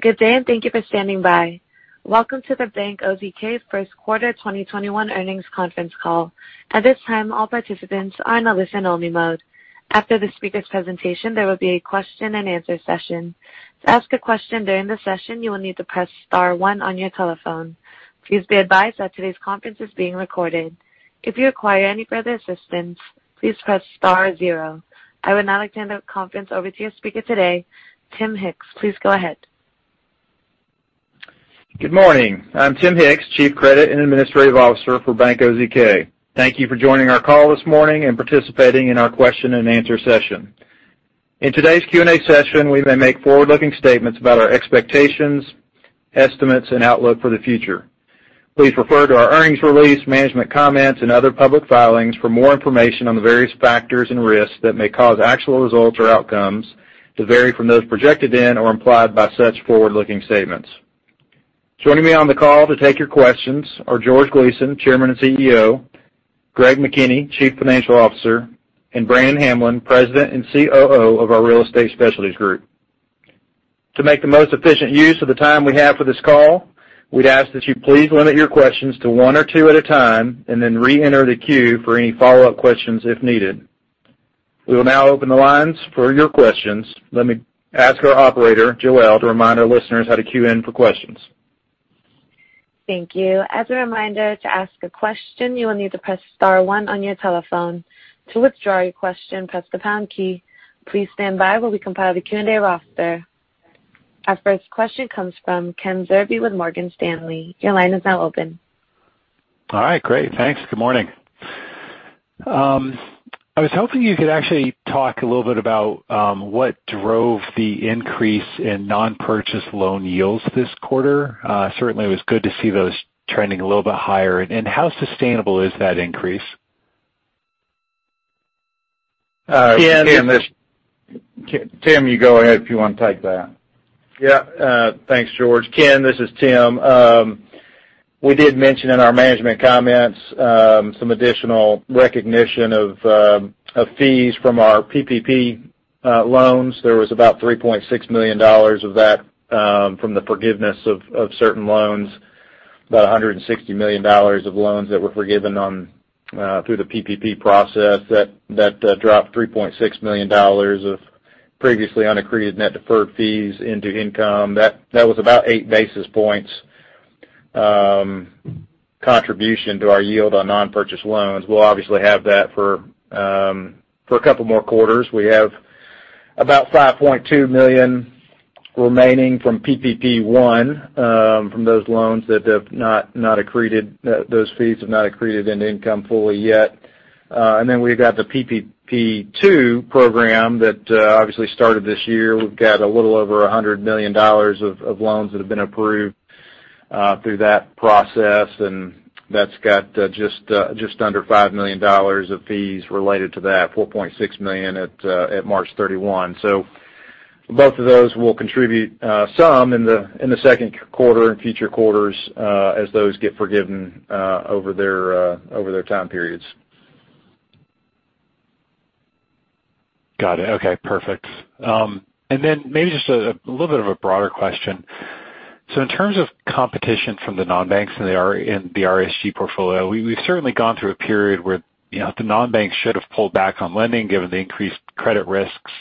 Good day, and thank you for standing by. Welcome to the Bank OZK First Quarter 2021 Earnings Conference Call. At this time, all participants are in a listen-only mode. After the speaker's presentation, there will be a question-and-answer session. To ask a question during the session, you will need to press star one on your telephone. Please be advised that today's conference is being recorded. If you require any further assistance, please press star zero. I would now like to hand the conference over to your speaker today, Tim Hicks. Please go ahead. Good morning. I'm Tim Hicks, Chief Credit and Administrative Officer for Bank OZK. Thank you for joining our call this morning and participating in our question and answer session. In today's Q&A session, we may make forward-looking statements about our expectations, estimates, and outlook for the future. Please refer to our earnings release, management comments, and other public filings for more information on the various factors and risks that may cause actual results or outcomes to vary from those projected in or implied by such forward-looking statements. Joining me on the call to take your questions are George Gleason, Chairman and CEO, Greg McKinney, Chief Financial Officer, and Brannon Hamblen, President and COO of our Real Estate Specialties Group. To make the most efficient use of the time we have for this call, we'd ask that you please limit your questions to one or two at a time, and then re-enter the queue for any follow-up questions if needed. We will now open the lines for your questions. Let me ask our operator, Joelle, to remind our listeners how to queue in for questions. Thank you. As a reminder, to ask a question, you will need to press star one on your telephone. To withdraw your question, press the pound key. Please stand by while we compile the Q&A roster. Our first question comes from Ken Zerbe with Morgan Stanley. Your line is now open. All right, great. Thanks. Good morning. I was hoping you could actually talk a little bit about what drove the increase in non-purchase loan yields this quarter. Certainly was good to see those trending a little bit higher. How sustainable is that increase? Tim, you go ahead if you want to take that. Yeah. Thanks, George. Ken, this is Tim. We did mention in our management comments some additional recognition of fees from our PPP loans. There was about $3.6 million of that from the forgiveness of certain loans, about $160 million of loans that were forgiven through the PPP process that dropped $3.6 million of previously unaccreted net deferred fees into income. That was about eight basis points contribution to our yield on non-purchase loans. We'll obviously have that for a couple more quarters. We have about $5.2 million remaining from PPP 1 from those loans that those fees have not accreted into income fully yet. Then we've got the PPP 2 program that obviously started this year. We've got a little over $100 million of loans that have been approved through that process, and that's got just under $5 million of fees related to that, $4.6 million at March 31. Both of those will contribute some in the second quarter and future quarters as those get forgiven over their time periods. Got it. Okay, perfect. Maybe just a little bit of a broader question. In terms of competition from the non-banks in the RESG portfolio, we've certainly gone through a period where the non-banks should have pulled back on lending given the increased credit risks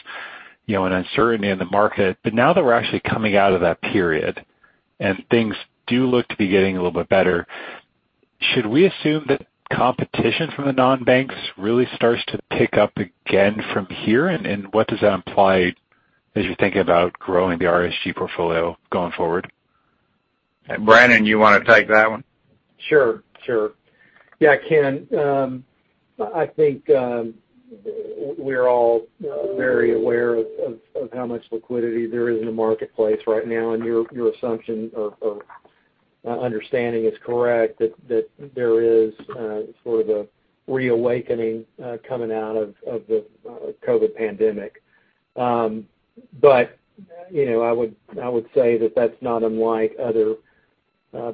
and uncertainty in the market. Now that we're actually coming out of that period and things do look to be getting a little bit better, should we assume that competition from the non-banks really starts to pick up again from here? What does that imply as you're thinking about growing the RESG portfolio going forward? Brannon, you want to take that one? Sure. Yeah, Ken, I think we're all very aware of how much liquidity there is in the marketplace right now, and your assumption or understanding is correct that there is sort of a reawakening coming out of the COVID pandemic. I would say that that's not unlike other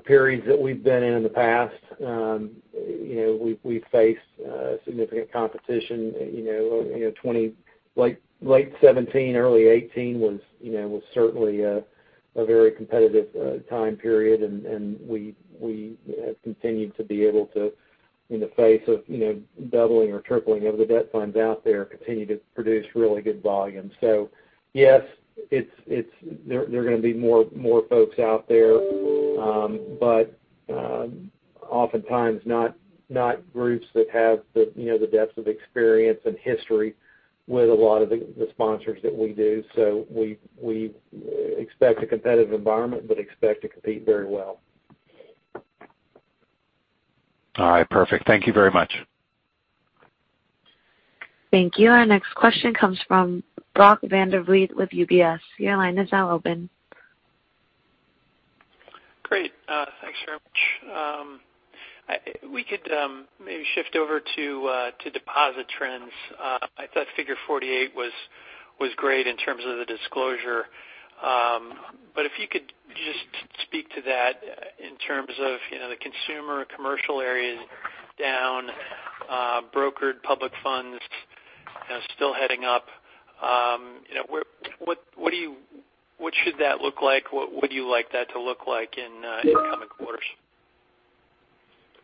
periods that we've been in in the past. We've faced significant competition. Late 2017, early 2018 was certainly a very competitive time period, and we have continued to be able to, in the face of doubling or tripling of the debt funds out there, continue to produce really good volume. Yes, there are going to be more folks out there, but oftentimes not groups that have the depths of experience and history with a lot of the sponsors that we do. We expect a competitive environment, but expect to compete very well. All right. Perfect. Thank you very much. Thank you. Our next question comes from Brock Vandervliet with UBS. Your line is now open. Great. Thanks very much. We could maybe shift over to deposit trends. I thought figure 48 was great in terms of the disclosure. If you could speak to that in terms of the consumer commercial areas down, brokered public funds still heading up. What should that look like? What would you like that to look like in upcoming quarters?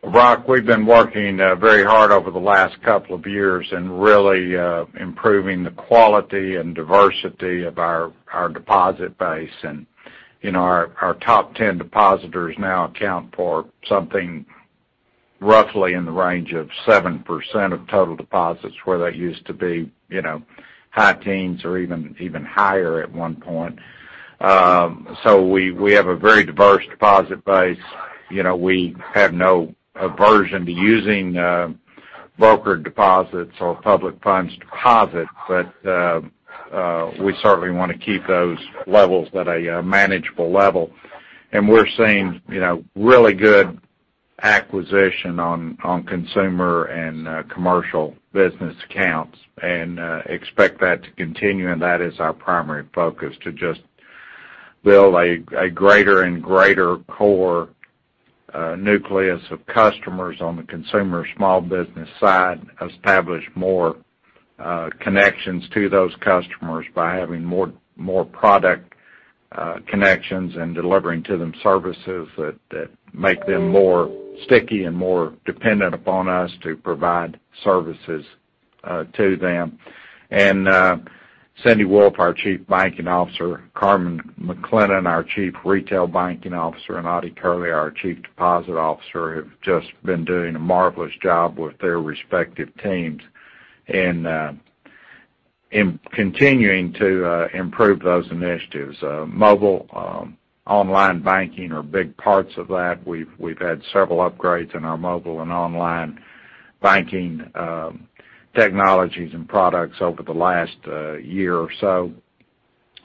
Brock, we've been working very hard over the last couple of years and really improving the quality and diversity of our deposit base. Our top 10 depositors now account for something roughly in the range of 7% of total deposits, where they used to be high teens or even higher at one point. We have a very diverse deposit base. We have no aversion to using brokered deposits or public funds deposit. We certainly want to keep those levels at a manageable level. We're seeing really good acquisition on consumer and commercial business accounts and expect that to continue, and that is our primary focus, to just build a greater and greater core nucleus of customers on the consumer, small business side, establish more connections to those customers by having more product connections and delivering to them services that make them more sticky and more dependent upon us to provide services to them. Cindy Wolfe, our Chief Banking Officer, Carmen McClennon, our Chief Retail Banking Officer, and Ottie Kerley, our Chief Deposit Officer, have just been doing a marvelous job with their respective teams in continuing to improve those initiatives. Mobile, online banking are big parts of that. We've had several upgrades in our mobile and online banking technologies and products over the last year or so.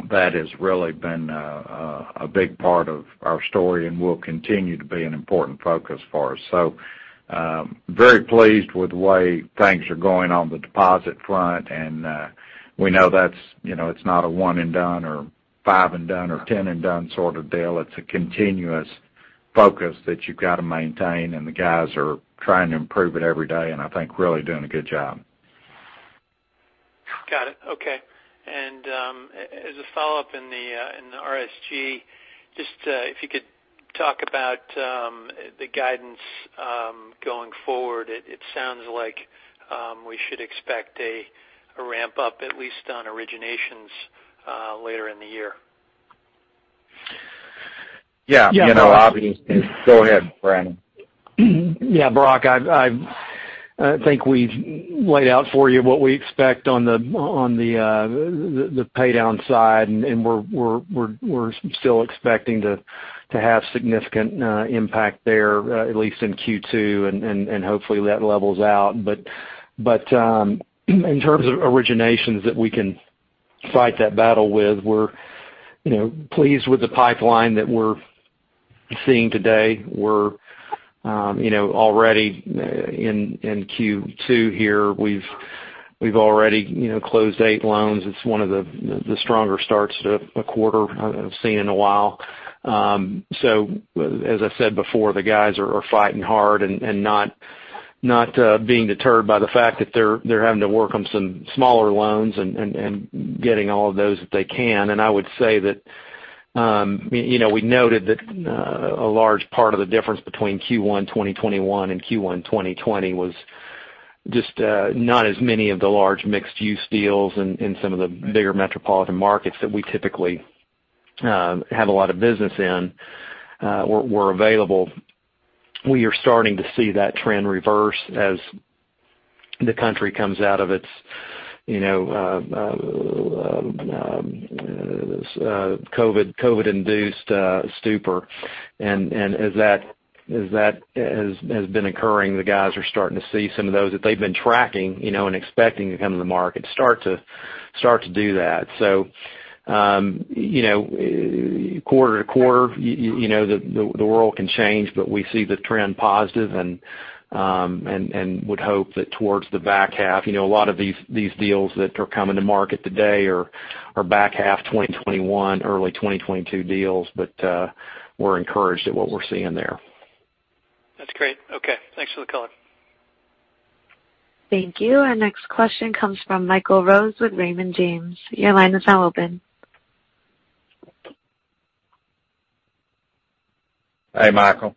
That has really been a big part of our story and will continue to be an important focus for us. Very pleased with the way things are going on the deposit front, and we know that it's not a one and done or five and done or 10 and done sort of deal. It's a continuous focus that you've got to maintain, and the guys are trying to improve it every day, and I think really doing a good job. Got it. Okay. As a follow-up in the RESG, just if you could talk about the guidance going forward. It sounds like we should expect a ramp-up at least on originations later in the year. Yeah. Obviously Go ahead, Brannon. Yeah, Brock, I think we've laid out for you what we expect on the pay-down side. We're still expecting to have significant impact there, at least in Q2. Hopefully that levels out. In terms of originations that we can fight that battle with, we're pleased with the pipeline that we're seeing today. We're already in Q2 here. We've already closed 8 loans. It's one of the stronger starts to a quarter I've seen in a while. As I said before, the guys are fighting hard and not being deterred by the fact that they're having to work on some smaller loans and getting all of those that they can. I would say that, we noted that a large part of the difference between Q1 2021 and Q1 2020 was just not as many of the large mixed-use deals in some of the bigger metropolitan markets that we typically have a lot of business in, were available. We are starting to see that trend reverse as the country comes out of its COVID-induced stupor. As that has been occurring, the guys are starting to see some of those that they've been tracking, and expecting to come to the market start to do that. Quarter to quarter, the world can change, but we see the trend positive and would hope that towards the back half, a lot of these deals that are coming to market today are back half 2021, early 2022 deals. We're encouraged at what we're seeing there. That's great. Okay. Thanks for the color. Thank you. Our next question comes from Michael Rose with Raymond James. Your line is now open. Hey, Michael.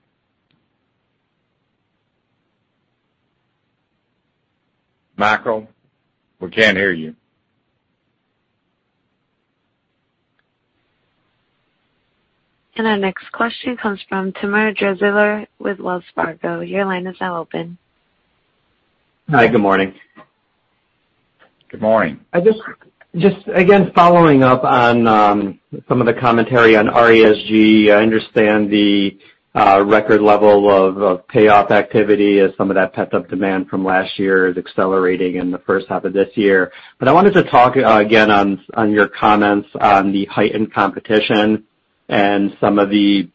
Michael, we can't hear you. Our next question comes from Timur Braziler with Wells Fargo. Your line is now open. Hi, good morning. Good morning. Just again, following up on some of the commentary on RESG. I understand the record level of payoff activity as some of that pent-up demand from last year is accelerating in the first half of this year. I wanted to talk again on your comments on the heightened competition and some of the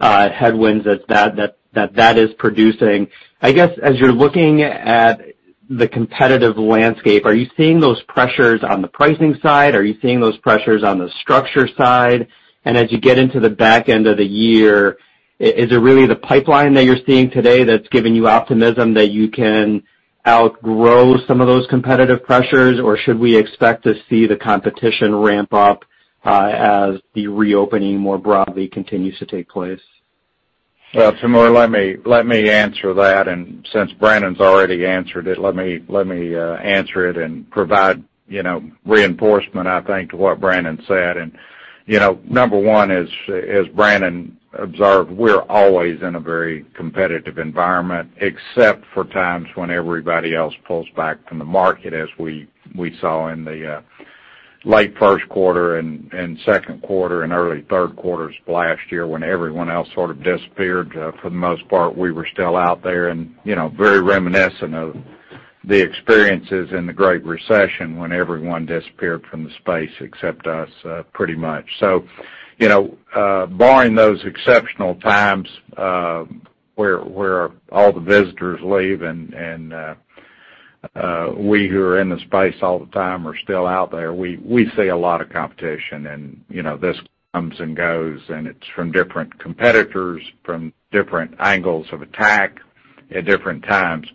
headwinds that that is producing. I guess as you're looking at the competitive landscape, are you seeing those pressures on the pricing side? Are you seeing those pressures on the structure side? As you get into the back end of the year, is it really the pipeline that you're seeing today that's giving you optimism that you can outgrow some of those competitive pressures? Should we expect to see the competition ramp up, as the reopening more broadly continues to take place? Well, Timur, let me answer that. Since Brannon's already answered it, let me answer it and provide reinforcement, I think, to what Brannon said. Number one is, as Brannon observed, we're always in a very competitive environment, except for times when everybody else pulls back from the market, as we saw in the late first quarter and second quarter and early third quarters of last year when everyone else sort of disappeared. For the most part, we were still out there and very reminiscent of the experiences in the Great Recession when everyone disappeared from the space except us, pretty much. Barring those exceptional times, where all the visitors leave and we who are in the space all the time are still out there, we see a lot of competition and this comes and goes, and it's from different competitors, from different angles of attack at different times.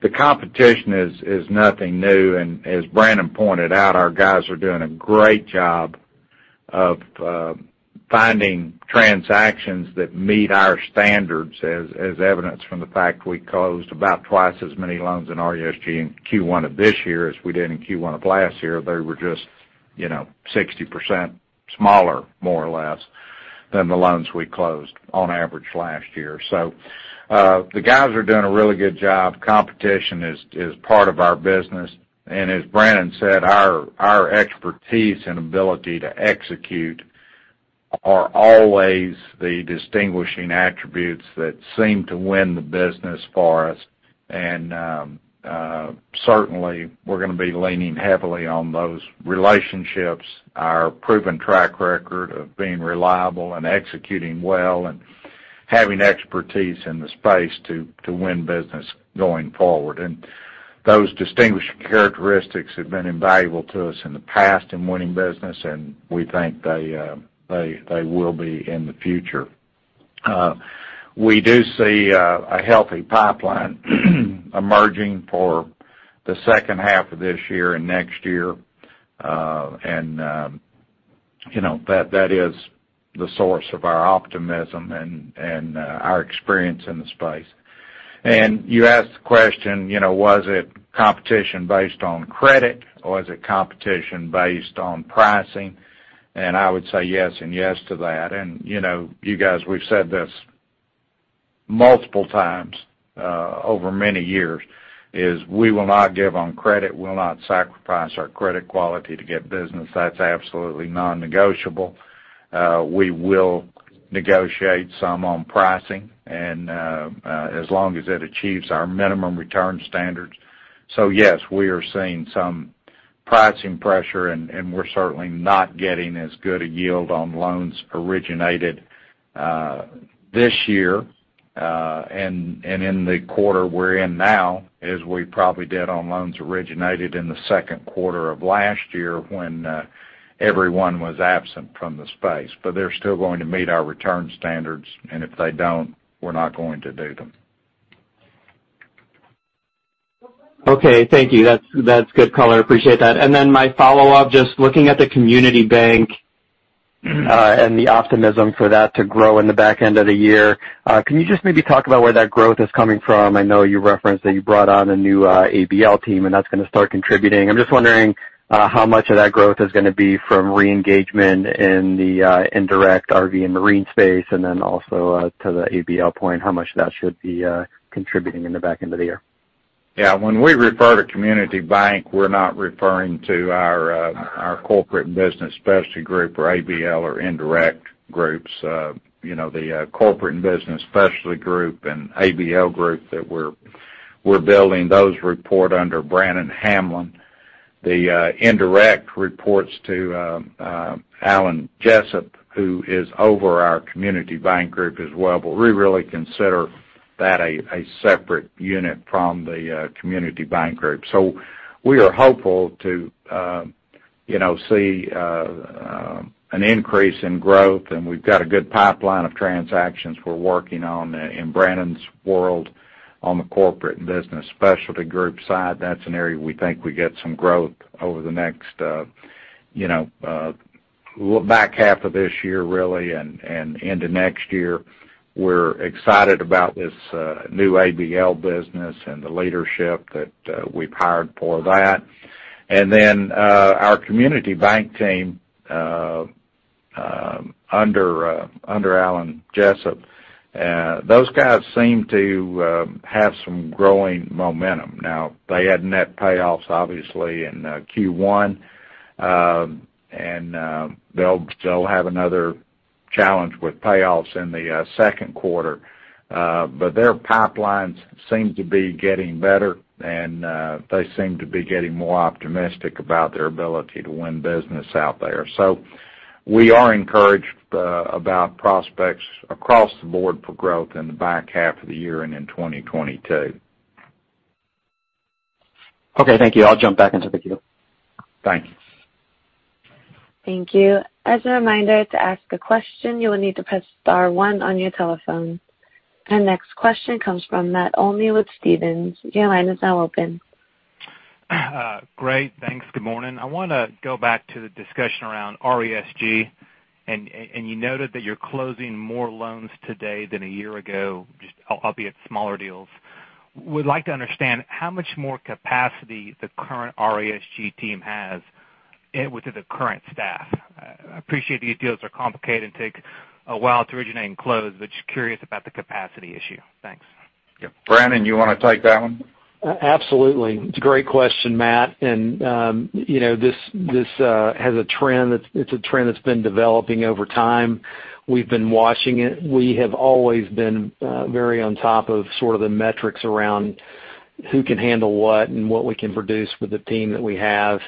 The competition is nothing new. As Brannon pointed out, our guys are doing a great job of finding transactions that meet our standards as evidence from the fact we closed about twice as many loans in RESG in Q1 of this year as we did in Q1 of last year. They were just 60% smaller, more or less, than the loans we closed on average last year. The guys are doing a really good job. Competition is part of our business. As Brannon said, our expertise and ability to execute are always the distinguishing attributes that seem to win the business for us. Certainly, we're going to be leaning heavily on those relationships, our proven track record of being reliable and executing well and having expertise in the space to win business going forward. Those distinguishing characteristics have been invaluable to us in the past in winning business, and we think they will be in the future. We do see a healthy pipeline emerging for the second half of this year and next year. That is the source of our optimism and our experience in the space. You asked the question, was it competition based on credit or is it competition based on pricing? I would say yes and yes to that. You guys, we've said this multiple times, over many years, is we will not give on credit. We'll not sacrifice our credit quality to get business. That's absolutely non-negotiable. We will negotiate some on pricing and as long as it achieves our minimum return standards. Yes, we are seeing some pricing pressure, and we're certainly not getting as good a yield on loans originated this year, and in the quarter we're in now, as we probably did on loans originated in the second quarter of last year when everyone was absent from the space. They're still going to meet our return standards, and if they don't, we're not going to do them. Okay. Thank you. That's good color. Appreciate that. My follow-up, just looking at the community bank- and the optimism for that to grow in the back end of the year, can you just maybe talk about where that growth is coming from? I know you referenced that you brought on a new ABL team, and that's going to start contributing. I'm just wondering how much of that growth is going to be from re-engagement in the indirect RV and marine space, and then also to the ABL point, how much that should be contributing in the back end of the year. Yeah. When we refer to community bank, we're not referring to our Corporate and Business Specialty Group or ABL or indirect groups. The Corporate and Business Specialty Group and ABL group that we're building, those report under Brannon Hamblen. The indirect reports to Alan Jessup, who is over our community bank group as well, but we really consider that a separate unit from the community bank group. We are hopeful to see an increase in growth, and we've got a good pipeline of transactions we're working on in Brannon's world on the Corporate and Business Specialty Group side. That's an area we think we get some growth over the next back half of this year, really, and into next year. We're excited about this new ABL business and the leadership that we've hired for that. Our community bank team under Alan Jessup, those guys seem to have some growing momentum. They had net payoffs, obviously, in Q1. They'll still have another challenge with payoffs in the second quarter. Their pipelines seem to be getting better, and they seem to be getting more optimistic about their ability to win business out there. We are encouraged about prospects across the board for growth in the back half of the year and in 2022. Okay, thank you. I'll jump back into the queue. Thank you. Thank you. As a reminder, to ask a question, you will need to press star one on your telephone. Our next question comes from Matt Olney with Stephens. Your line is now open. Great. Thanks. Good morning. I want to go back to the discussion around RESG. You noted that you're closing more loans today than a year ago, just albeit smaller deals. Would like to understand how much more capacity the current RESG team has within the current staff. I appreciate these deals are complicated and take a while to originate and close, just curious about the capacity issue. Thanks. Yep. Brannon, you want to take that one? Absolutely. It's a great question, Matt. This has a trend. It's a trend that's been developing over time. We've been watching it. We have always been very on top of sort of the metrics around who can handle what and what we can produce with the team that we have.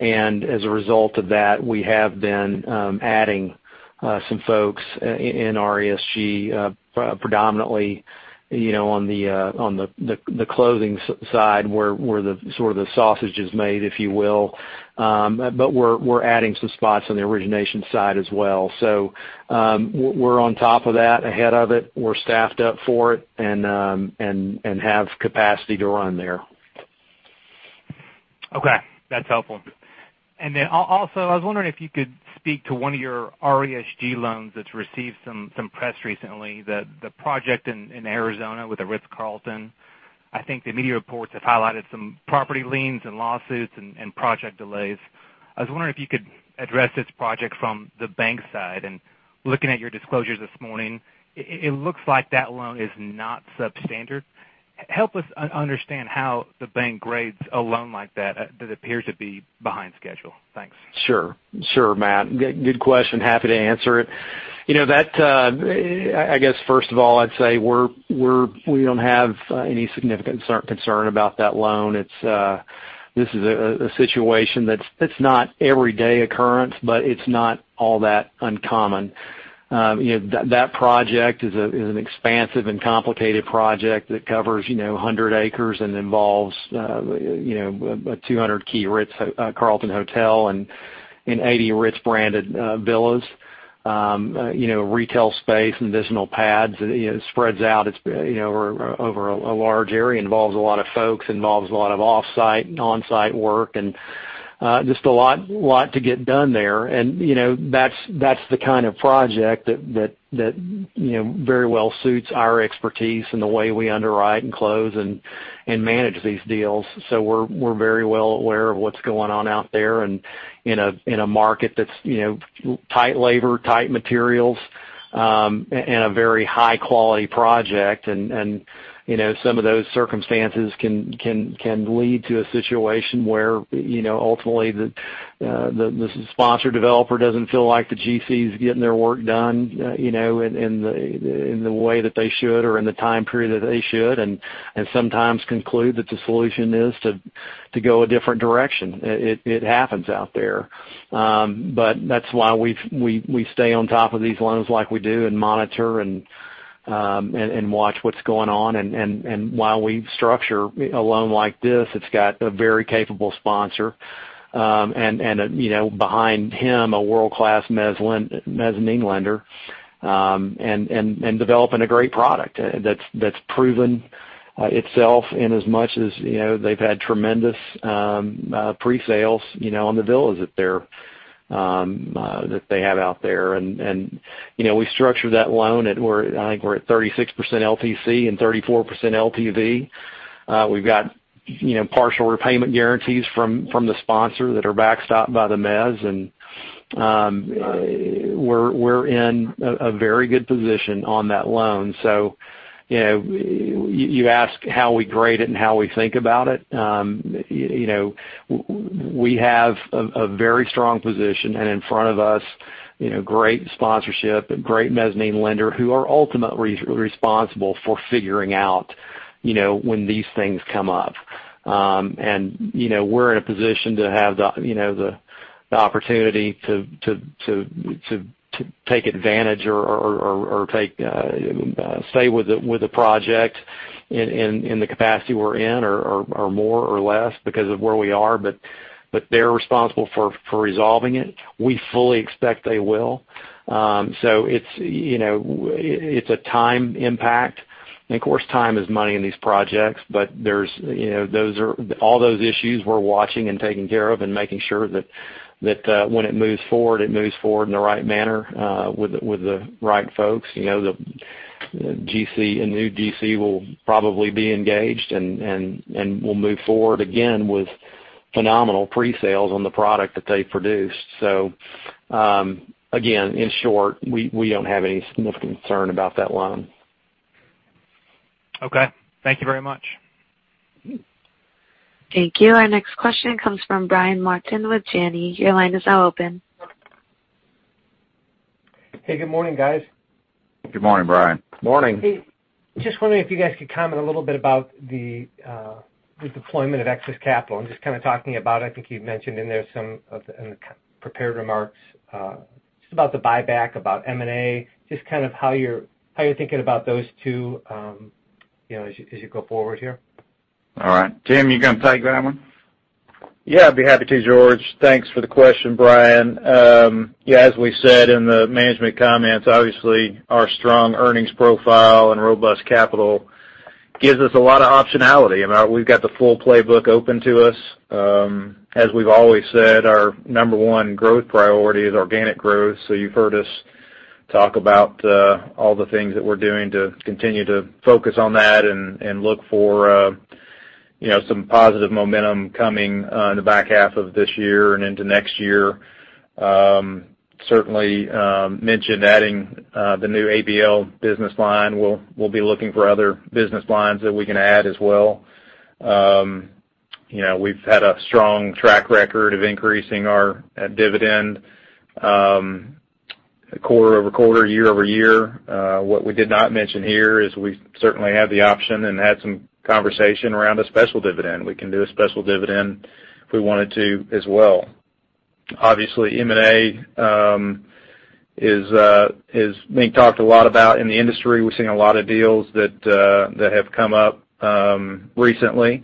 As a result of that, we have been adding some folks in RESG, predominantly on the closing side where the sausage is made, if you will. We're adding some spots on the origination side as well. We're on top of that, ahead of it. We're staffed up for it and have capacity to run there. Okay. That's helpful. I was wondering if you could speak to one of your RESG loans that's received some press recently, the project in Arizona with The Ritz-Carlton. I think the media reports have highlighted some property liens and lawsuits and project delays. I was wondering if you could address this project from the bank side. Looking at your disclosures this morning, it looks like that loan is not substandard. Help us understand how the bank grades a loan like that appears to be behind schedule. Thanks. Sure. Matt, good question. Happy to answer it. I guess, first of all, I'd say we don't have any significant concern about that loan. This is a situation that's not an everyday occurrence, but it's not all that uncommon. That project is an expansive and complicated project that covers 100 acres and involves a 200-key The Ritz-Carlton hotel and 80 Ritz-branded villas, retail space, and additional pads. It spreads out over a large area, involves a lot of folks, involves a lot of off-site and on-site work, and just a lot to get done there. That's the kind of project that very well suits our expertise and the way we underwrite and close and manage these deals. We're very well aware of what's going on out there in a market that's tight labor, tight materials, and a very high-quality project. Some of those circumstances can lead to a situation where ultimately the sponsor developer doesn't feel like the GC's getting their work done in the way that they should or in the time period that they should and sometimes conclude that the solution is to go a different direction. It happens out there. That's why we stay on top of these loans like we do and monitor and watch what's going on. While we structure a loan like this, it's got a very capable sponsor. Behind him, a world-class mezzanine lender, and developing a great product that's proven itself in as much as they've had tremendous pre-sales on the villas that they have out there. We structured that loan at, I think we're at 36% LTC and 34% LTV. We've got partial repayment guarantees from the sponsor that are backstopped by the mezz, and we're in a very good position on that loan. You ask how we grade it and how we think about it. We have a very strong position, and in front of us, great sponsorship, great mezzanine lender who are ultimately responsible for figuring out when these things come up. We're in a position to have the opportunity to take advantage or stay with the project in the capacity we're in or more or less because of where we are. They're responsible for resolving it. We fully expect they will. It's a time impact. Of course, time is money in these projects, but all those issues we're watching and taking care of and making sure that when it moves forward, it moves forward in the right manner, with the right folks. The new GC will probably be engaged, and we'll move forward again with phenomenal pre-sales on the product that they produced. Again, in short, we don't have any significant concern about that loan. Okay. Thank you very much. Thank you. Our next question comes from Brian Martin with Janney. Your line is now open. Hey, good morning, guys. Good morning, Brian. Morning. Hey, just wondering if you guys could comment a little bit about the deployment of excess capital, and just kind of talking about, I think you've mentioned in there some of the prepared remarks, just about the buyback, about M&A, just how you're thinking about those two as you go forward here? All right. Tim, you going to take that one? Yeah, I'd be happy to, George. Thanks for the question, Brian. Yeah, as we said in the management comments, obviously our strong earnings profile and robust capital gives us a lot of optionality. We've got the full playbook open to us. As we've always said, our number one growth priority is organic growth. You've heard us talk about all the things that we're doing to continue to focus on that and look for some positive momentum coming in the back half of this year and into next year. Certainly, mentioned adding the new ABL business line. We'll be looking for other business lines that we can add as well. We've had a strong track record of increasing our dividend quarter-over-quarter, year-over-year. What we did not mention here is we certainly have the option and had some conversation around a special dividend. We can do a special dividend if we wanted to as well. Obviously, M&A is being talked a lot about in the industry. We're seeing a lot of deals that have come up recently.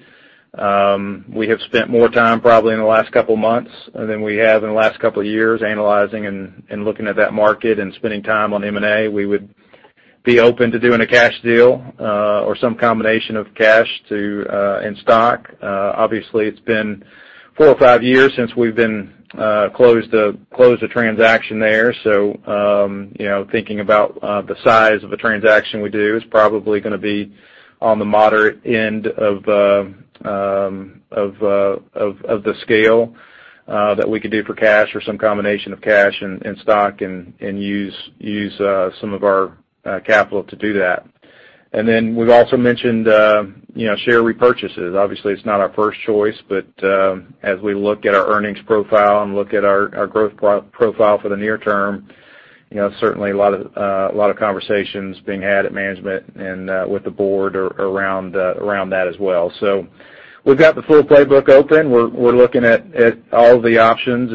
We have spent more time probably in the last couple of months than we have in the last couple of years analyzing and looking at that market and spending time on M&A. We would be open to doing a cash deal or some combination of cash and stock. Obviously, it's been four or five years since we've been closed a transaction there. Thinking about the size of a transaction we do is probably going to be on the moderate end of the scale that we could do for cash or some combination of cash and stock and use some of our capital to do that. We've also mentioned share repurchases. Obviously, it's not our first choice, but as we look at our earnings profile and look at our growth profile for the near term, certainly a lot of conversations being had at management and with the board around that as well. We've got the full playbook open. We're looking at all the options,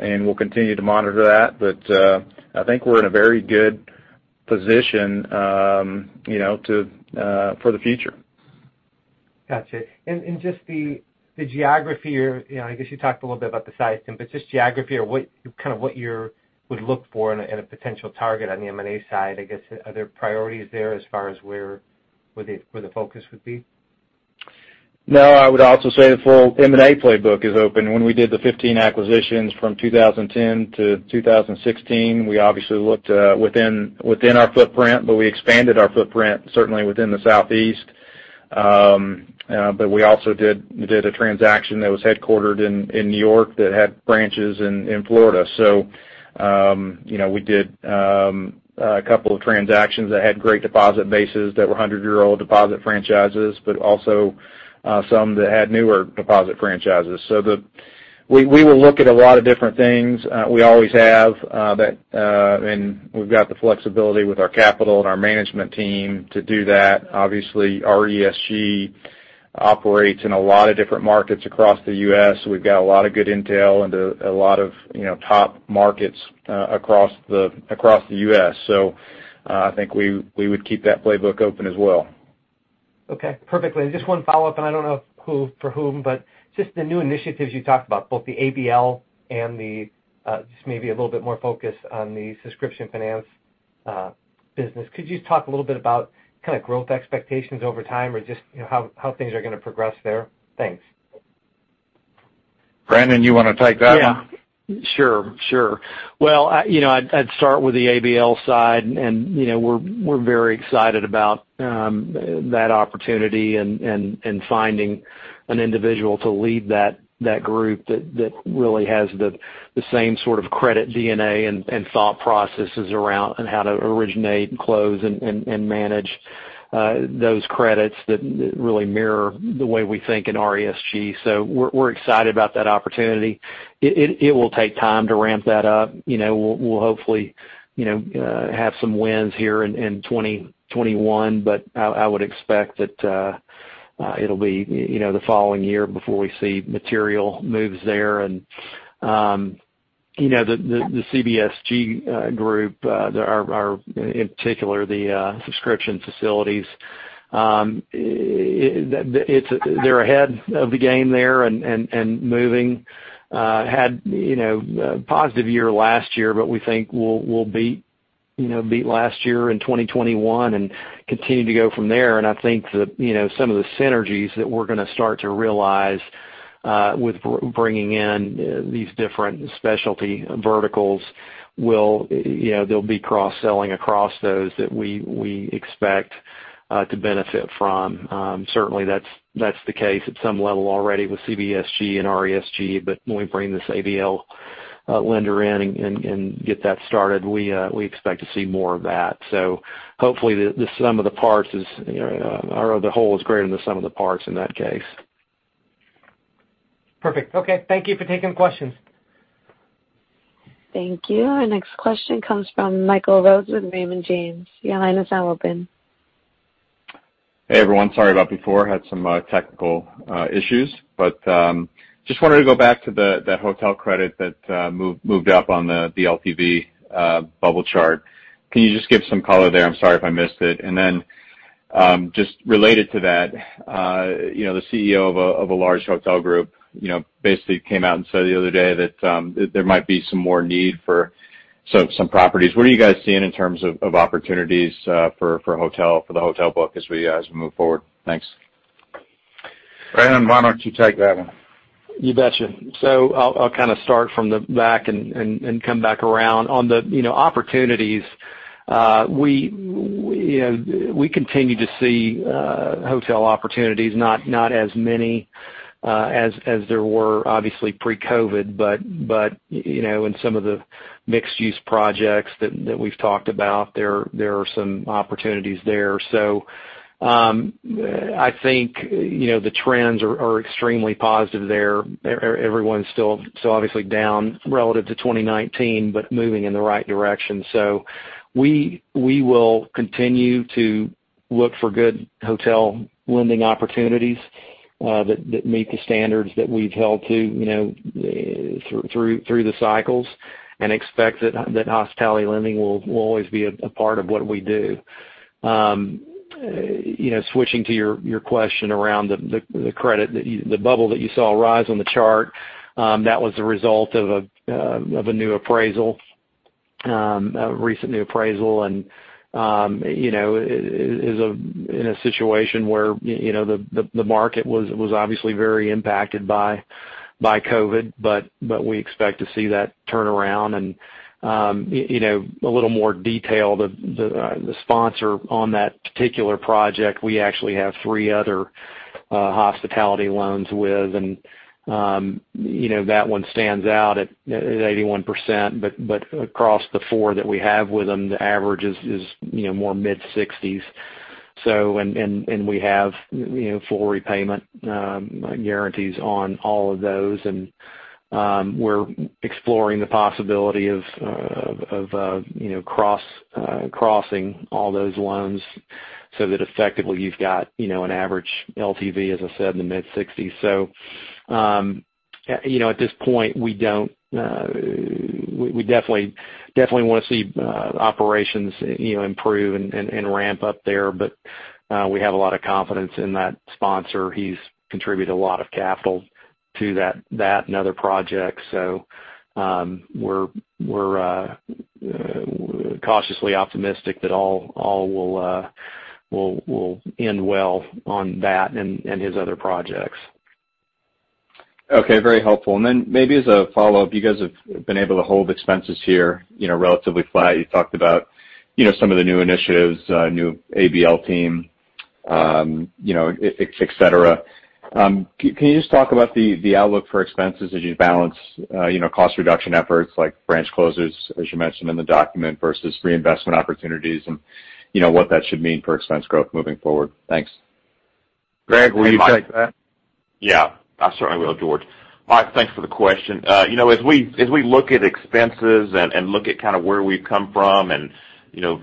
and we'll continue to monitor that. I think we're in a very good position for the future. Got you. Just the geography, I guess you talked a little bit about the size, but just geography or kind of what you would look for in a potential target on the M&A side, I guess, are there priorities there as far as where the focus would be? No, I would also say the full M&A playbook is open. When we did the 15 acquisitions from 2010 to 2016, we obviously looked within our footprint. We expanded our footprint certainly within the Southeast. We also did a transaction that was headquartered in New York that had branches in Florida. We did a couple of transactions that had great deposit bases that were 100-year-old deposit franchises. Also some that had newer deposit franchises. We will look at a lot of different things. We always have. We've got the flexibility with our capital and our management team to do that. Obviously, RESG operates in a lot of different markets across the U.S. We've got a lot of good intel into a lot of top markets across the U.S. I think we would keep that playbook open as well. Okay, perfectly. Just one follow-up, I don't know for whom, but just the new initiatives you talked about, both the ABL and just maybe a little bit more focus on the subscription finance business. Could you talk a little bit about kind of growth expectations over time or just how things are going to progress there? Thanks. Brannon, you want to take that one? Yeah. Sure. Well, I'd start with the ABL side. We're very excited about that opportunity and finding an individual to lead that group that really has the same sort of credit DNA and thought processes around on how to originate and close and manage those credits that really mirror the way we think in RESG. We're excited about that opportunity. It will take time to ramp that up. We'll hopefully have some wins here in 2021. I would expect that it'll be the following year before we see material moves there. The CBSG group, in particular the subscription facilities, they're ahead of the game there and moving. Had a positive year last year. We think we'll beat last year in 2021 and continue to go from there. I think that some of the synergies that we're going to start to realize with bringing in these different specialty verticals, there'll be cross-selling across those that we expect to benefit from. Certainly, that's the case at some level already with CBSG and RESG. When we bring this ABL lender in and get that started, we expect to see more of that. Hopefully, the whole is greater than the sum of the parts in that case. Perfect. Okay. Thank you for taking questions. Thank you. Our next question comes from Michael Rose with Raymond James. Hey, everyone. Sorry about before, had some technical issues. Just wanted to go back to the hotel credit that moved up on the LTV bubble chart. Can you just give some color there? I'm sorry if I missed it. Just related to that, the CEO of a large hotel group basically came out and said the other day that there might be some more need for some properties. What are you guys seeing in terms of opportunities for the hotel book as we move forward? Thanks. Brannon, why don't you take that one? You betcha. I'll kind of start from the back and come back around. On the opportunities, we continue to see hotel opportunities, not as many as there were obviously pre-COVID, but in some of the mixed-use projects that we've talked about, there are some opportunities there. I think, the trends are extremely positive there. Everyone's still obviously down relative to 2019, but moving in the right direction. We will continue to look for good hotel lending opportunities that meet the standards that we've held to through the cycles, and expect that hospitality lending will always be a part of what we do. Switching to your question around the credit, the bubble that you saw rise on the chart, that was a result of a new appraisal, a recent new appraisal, and is in a situation where the market was obviously very impacted by COVID, but we expect to see that turn around. A little more detail, the sponsor on that particular project, we actually have three other hospitality loans with, and that one stands out at 81%, but across the four that we have with them, the average is more mid-60s. We have full repayment guarantees on all of those, and we're exploring the possibility of crossing all those loans so that effectively you've got an average LTV, as I said, in the mid-60s. At this point, we definitely want to see operations improve and ramp up there. We have a lot of confidence in that sponsor. He's contributed a lot of capital to that and other projects. We're cautiously optimistic that all will end well on that and his other projects. Okay. Very helpful. Maybe as a follow-up, you guys have been able to hold expenses here relatively flat. You talked about some of the new initiatives, new ABL team, et cetera. Can you just talk about the outlook for expenses as you balance cost reduction efforts like branch closures, as you mentioned in the document, versus reinvestment opportunities and what that should mean for expense growth moving forward? Thanks. Greg, will you take that? Yeah. I certainly will, George. All right, thanks for the question. As we look at expenses and look at kind of where we've come from and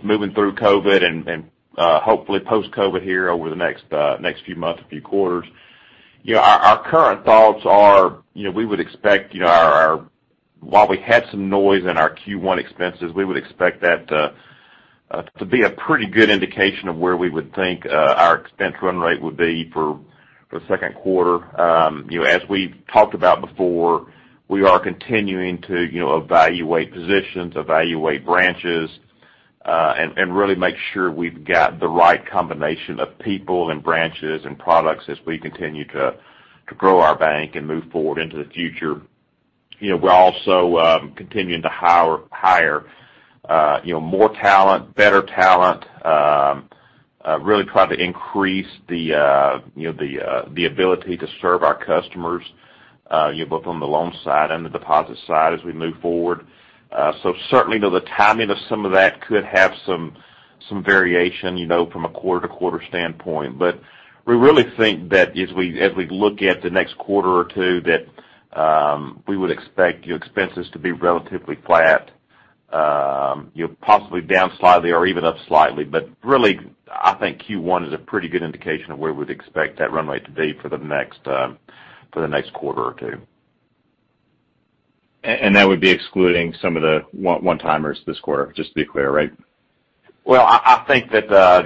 moving through COVID and hopefully post-COVID here over the next few months, a few quarters, our current thoughts are while we had some noise in our Q1 expenses, we would expect that to be a pretty good indication of where we would think our expense run rate would be for the second quarter. As we've talked about before, we are continuing to evaluate positions, evaluate branches, and really make sure we've got the right combination of people and branches and products as we continue to grow our bank and move forward into the future. We're also continuing to hire more talent, better talent, really try to increase the ability to serve our customers, both on the loan side and the deposit side as we move forward. Certainly, the timing of some of that could have some variation from a quarter-to-quarter standpoint. We really think that as we look at the next quarter or two, that we would expect expenses to be relatively flat, possibly down slightly or even up slightly. Really, I think Q1 is a pretty good indication of where we'd expect that run rate to be for the next quarter or two. That would be excluding some of the one-timers this quarter, just to be clear, right? Well, I think if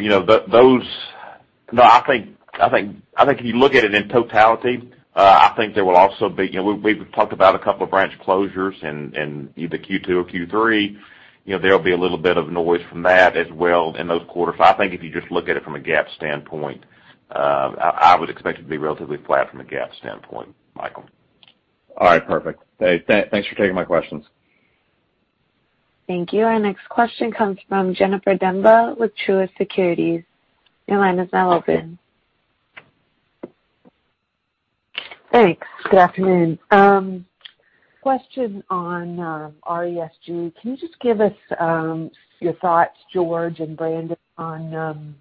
you look at it in totality, we've talked about a couple of branch closures in either Q2 or Q3. There will be a little bit of noise from that as well in those quarters. I think if you just look at it from a GAAP standpoint, I would expect it to be relatively flat from a GAAP standpoint, Michael. All right. Perfect. Thanks for taking my questions. Thank you. Our next question comes from Jennifer Demba with Truist Securities. Your line is now open. Thanks. Good afternoon. Question on RESG. Can you just give us your thoughts, George and Brannon, on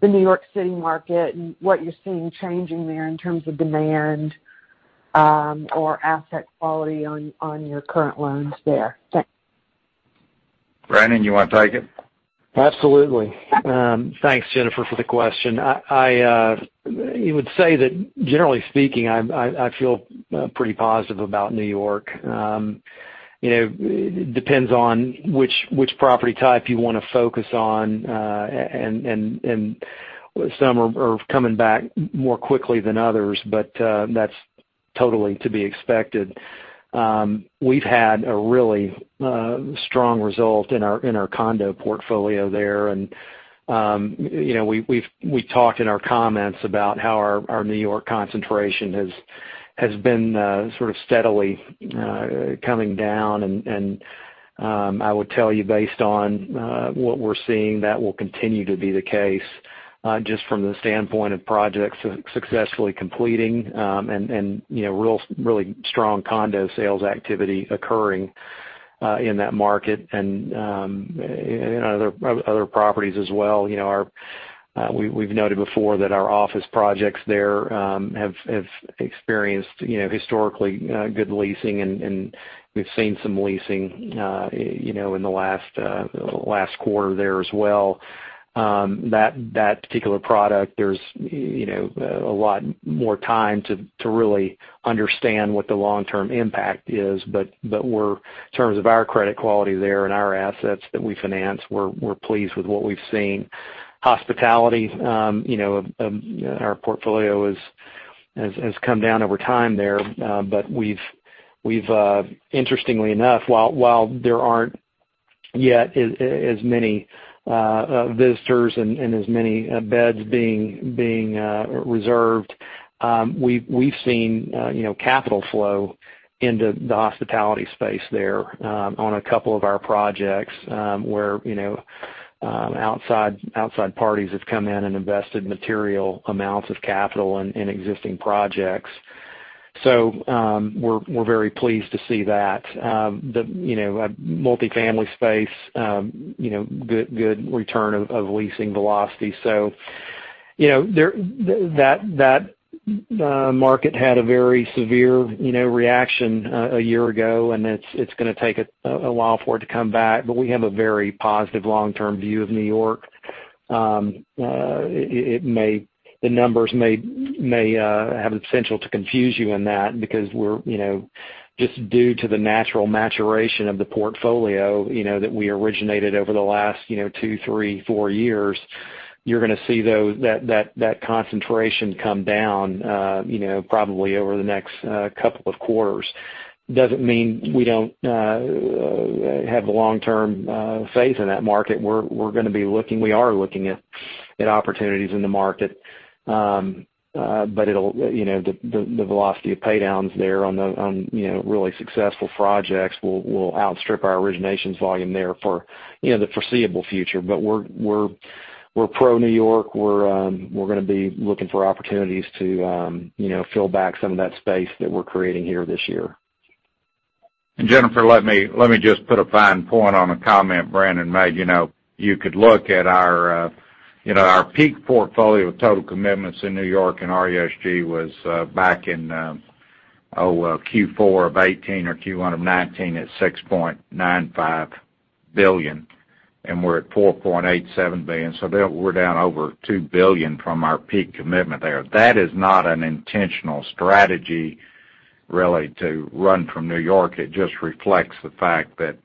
the New York City market and what you're seeing changing there in terms of demand, or asset quality on your current loans there. Thanks. Brannon, you want to take it? Absolutely. Thanks, Jennifer, for the question. I would say that generally speaking, I feel pretty positive about New York. It depends on which property type you want to focus on, and some are coming back more quickly than others, but that's totally to be expected. We've had a really strong result in our condo portfolio there. We talked in our comments about how our New York concentration has been steadily coming down. I would tell you based on what we're seeing, that will continue to be the case, just from the standpoint of projects successfully completing, and really strong condo sales activity occurring in that market and in other properties as well. We've noted before that our office projects there have experienced historically good leasing, and we've seen some leasing in the last quarter there as well. That particular product, there's a lot more time to really understand what the long-term impact is. In terms of our credit quality there and our assets that we finance, we're pleased with what we've seen. Hospitality, our portfolio has come down over time there. Interestingly enough, while there aren't yet as many visitors and as many beds being reserved, we've seen capital flow into the hospitality space there on a couple of our projects, where outside parties have come in and invested material amounts of capital in existing projects. We're very pleased to see that. The multifamily space, good return of leasing velocity. That market had a very severe reaction a year ago, and it's going to take a while for it to come back. We have a very positive long-term view of New York. The numbers may have a potential to confuse you in that, because just due to the natural maturation of the portfolio that we originated over the last two, three, four years, you're going to see that concentration come down probably over the next couple of quarters. Doesn't mean we don't have the long-term faith in that market. We are looking at opportunities in the market. The velocity of pay downs there on really successful projects will outstrip our originations volume there for the foreseeable future. We're pro New York. We're going to be looking for opportunities to fill back some of that space that we're creating here this year. Jennifer, let me just put a fine point on a comment Brannon made. You could look at our peak portfolio of total commitments in New York and RESG was back in Q4 2018 or Q1 2019 at $6.95 billion, and we're at $4.87 billion. We're down over $2 billion from our peak commitment there. That is not an intentional strategy, really, to run from New York. It just reflects the fact that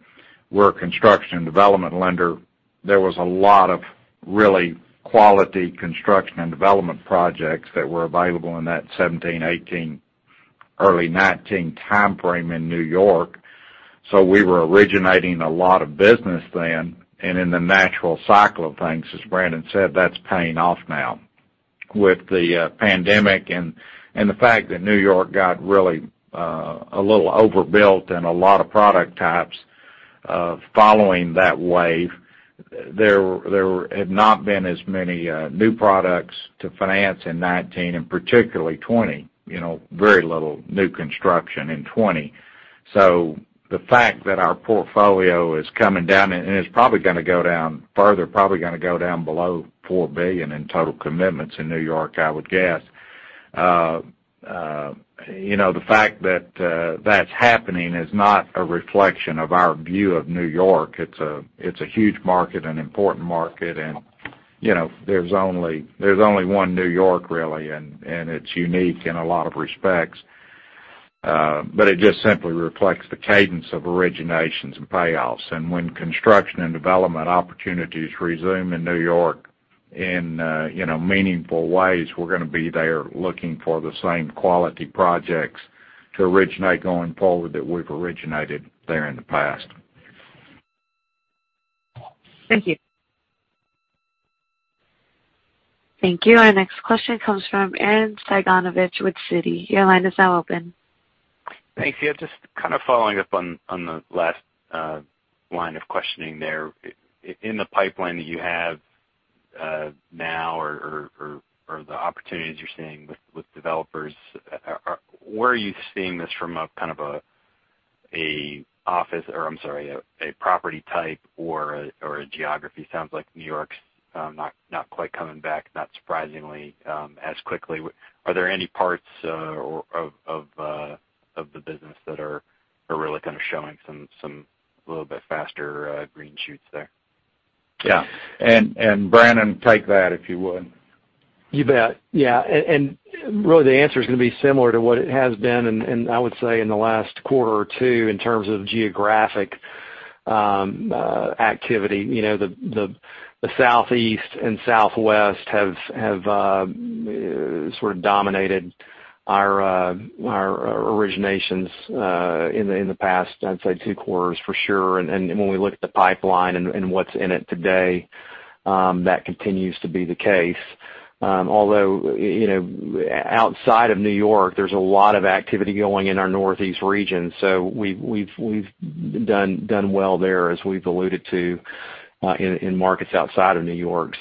we're a construction development lender. There was a lot of really quality construction and development projects that were available in that 2017, 2018, early 2019 time frame in New York. We were originating a lot of business then. In the natural cycle of things, as Brannon said, that's paying off now. With the pandemic and the fact that N.Y. got really a little overbuilt in a lot of product types following that wave, there have not been as many new products to finance in 2019 and particularly 2020. Very little new construction in 2020. The fact that our portfolio is coming down, and it's probably going to go down further, probably going to go down below $4 billion in total commitments in N.Y., I would guess. The fact that that's happening is not a reflection of our view of N.Y. It's a huge market, an important market, and there's only one N.Y., really, and it's unique in a lot of respects. It just simply reflects the cadence of originations and payoffs. When construction and development opportunities resume in New York in meaningful ways, we're going to be there looking for the same quality projects to originate going forward that we've originated there in the past. Thank you. Thank you. Our next question comes from Arren Cyganovich with Citi. Your line is now open. Thanks. Yeah, just following up on the last line of questioning there. In the pipeline that you have now or the opportunities you're seeing with developers, where are you seeing this from a office, or I'm sorry, a property type or a geography? Sounds like New York's not quite coming back, not surprisingly, as quickly. Are there any parts of the business that are really kind of showing some little bit faster green shoots there? Yeah. Brannon, take that, if you would. You bet. Yeah, really the answer is going to be similar to what it has been in, I would say, in the last quarter or two in terms of geographic activity. The Southeast and Southwest have sort of dominated our originations in the past, I'd say, two quarters for sure. When we look at the pipeline and what's in it today, that continues to be the case. Although, outside of New York, there's a lot of activity going in our Northeast region, so we've done well there, as we've alluded to, in markets outside of New York.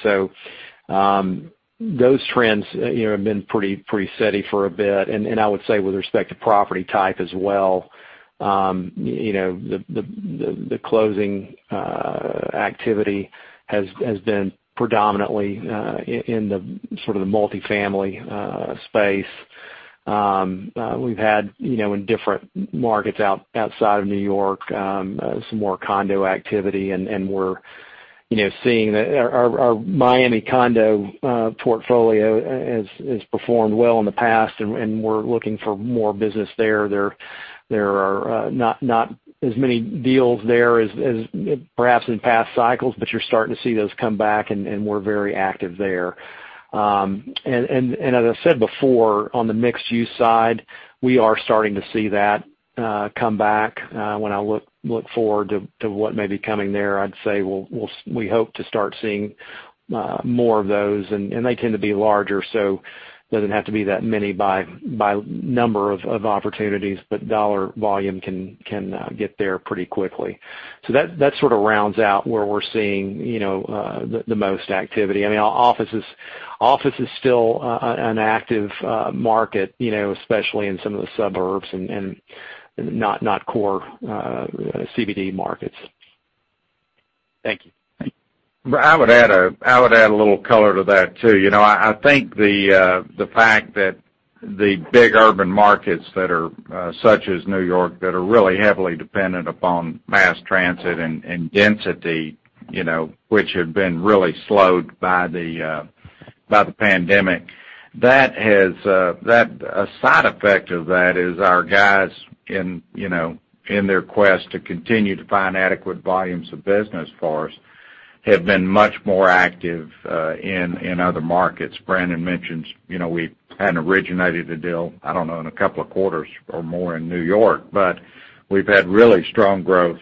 Those trends have been pretty steady for a bit. I would say with respect to property type as well, the closing activity has been predominantly in the sort of the multifamily space. We've had, in different markets outside of New York, some more condo activity, and we're seeing that our Miami condo portfolio has performed well in the past, and we're looking for more business there. There are not as many deals there as perhaps in past cycles. You're starting to see those come back, and we're very active there. As I said before, on the mixed-use side, we are starting to see that come back. When I look forward to what may be coming there, I'd say we hope to start seeing more of those. They tend to be larger, so it doesn't have to be that many by number of opportunities, but dollar volume can get there pretty quickly. That sort of rounds out where we're seeing the most activity. Office is still an active market, especially in some of the suburbs and not core CBD markets. Thank you. I would add a little color to that, too. I think the fact that the big urban markets such as N.Y. that are really heavily dependent upon mass transit and density, which had been really slowed by the pandemic, a side effect of that is our guys in their quest to continue to find adequate volumes of business for us, have been much more active in other markets. Brannon mentions, we hadn't originated a deal, I don't know, in a couple of quarters or more in N.Y. We've had really strong growth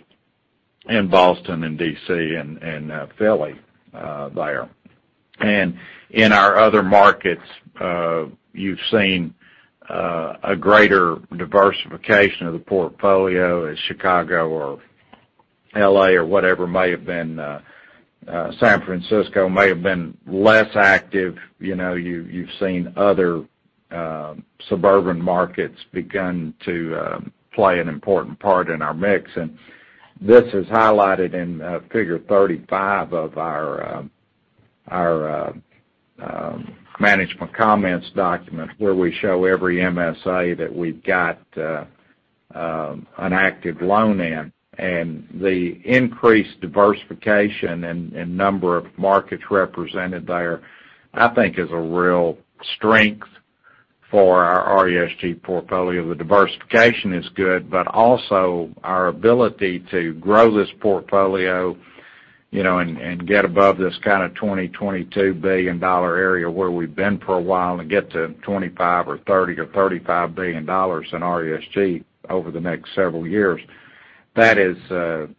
in Boston and D.C. and Philly there. In our other markets, you've seen a greater diversification of the portfolio as Chicago or L.A. or whatever it may have been. San Francisco may have been less active. You've seen other suburban markets begun to play an important part in our mix, and this is highlighted in Figure 35 of our management comments document, where we show every MSA that we've got an active loan in. The increased diversification and number of markets represented there, I think is a real strength for our RESG portfolio. The diversification is good, but also our ability to grow this portfolio, and get above this kind of $20 billion-22 billion area where we've been for a while and get to $25 billion or $30 billion or $35 billion in RESG over the next several years. To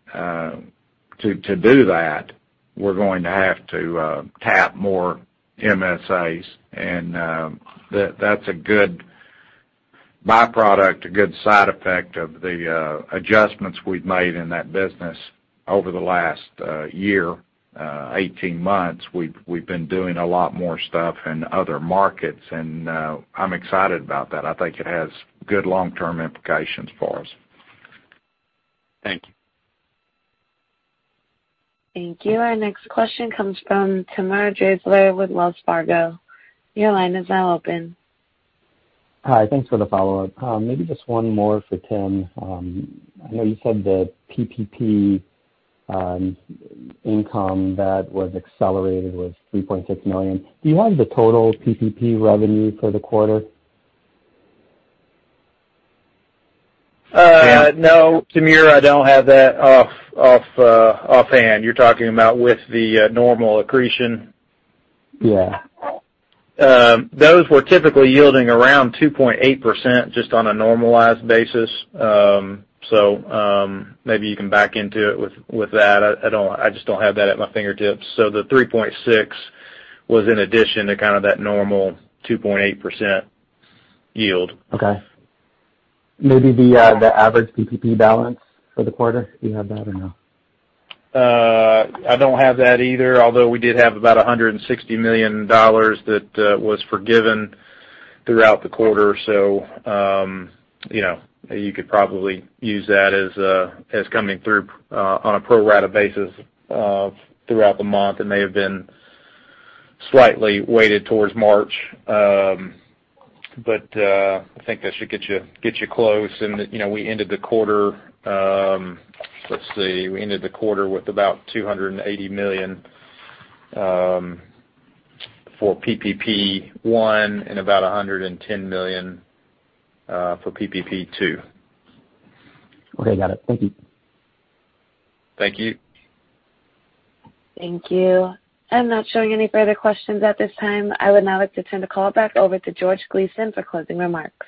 do that, we're going to have to tap more MSAs, and that's a good byproduct, a good side effect of the adjustments we've made in that business over the last year, 18 months. We've been doing a lot more stuff in other markets, and I'm excited about that. I think it has good long-term implications for us. Thank you. Thank you. Our next question comes from Timur Braziler with Wells Fargo. Your line is now open. Hi. Thanks for the follow-up. Maybe just one more for Tim. I know you said that PPP income that was accelerated was $3.6 million. Do you have the total PPP revenue for the quarter? No, Timur, I don't have that offhand. You're talking about with the normal accretion? Yeah. Those were typically yielding around 2.8%, just on a normalized basis. Maybe you can back into it with that. I just don't have that at my fingertips. The 3.6 was in addition to kind of that normal 2.8% yield. Okay. Maybe the average PPP balance for the quarter. Do you have that or no? I don't have that either, although we did have about $160 million that was forgiven throughout the quarter. You could probably use that as coming through on a pro rata basis throughout the month. It may have been slightly weighted towards March. I think that should get you close. Let's see, we ended the quarter with about $280 million for PPP 1 and about $110 million for PPP 2. Okay, got it. Thank you. Thank you. Thank you. I'm not showing any further questions at this time. I would now like to turn the call back over to George Gleason for closing remarks.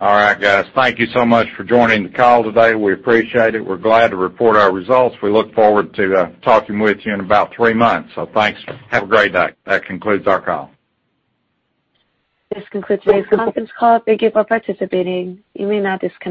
All right, guys. Thank you so much for joining the call today. We appreciate it. We're glad to report our results. We look forward to talking with you in about three months. Thanks. Have a great day. That concludes our call. This concludes today's conference call. Thank you for participating. You may now disconnect.